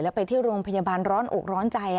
ไปที่โรงพยาบาลร้อนอกร้อนใจ